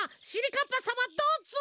かっぱさまどうぞ！